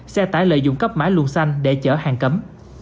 xe tải lợi dụng cấp mã luồng xanh để chở hàng cấm